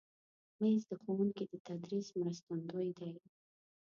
مېز د ښوونکي د تدریس مرستندوی دی.